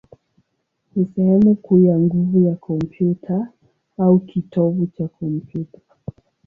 ni sehemu kuu ya nguvu ya kompyuta, au kitovu cha kompyuta.